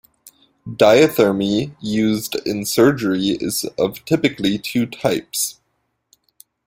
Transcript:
Diathermy used in surgery is of typically two types.